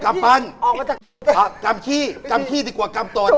เก่งมากเอาล่ะคุณหญิงรฐาน